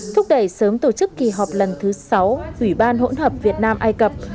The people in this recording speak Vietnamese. thúc đẩy sớm tổ chức kỳ họp lần thứ sáu ủy ban hỗn hợp việt nam ai cập